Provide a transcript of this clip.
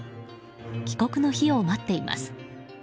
帰国の日を待っています。